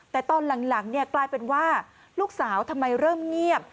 แต่ตอนหลังกลายเป็นว่าลูกสาวทำไมเริ่มเงียบ